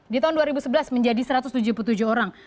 di tahun dua ribu sebelas menjadi satu ratus tujuh puluh tujuh orang